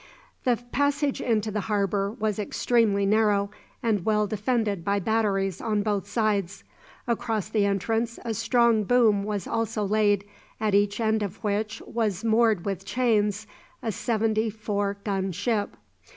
The passage into the harbour was extremely narrow, and well defended by batteries on both sides. Across the entrance a strong boom also was laid, at each end of which was moored with chains a seventy four gun ship.